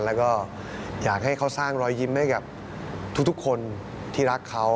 แล้วก็อยากให้เขาสร้างรอยยิ้มให้กับทุกคนที่รักเขา